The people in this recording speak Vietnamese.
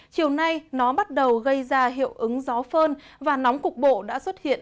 chiều nay nó bắt đầu gây ra hiệu ứng gió phơn và nóng cục bộ đã xuất hiện